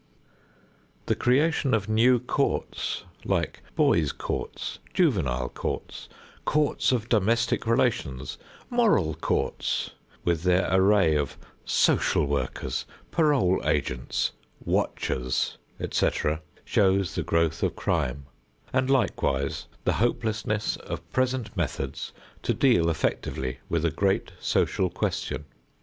The creation of new courts, like "Boys' Courts," "Juvenile Courts," "Courts of Domestic Relations," "Moral Courts," with their array of "Social Workers," "Parole Agents," "Watchers," et cetera, shows the growth of crime and likewise the hopelessness of present methods to deal effectively with a great social question.